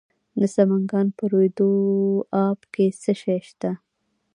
د سمنګان په روی دو اب کې څه شی شته؟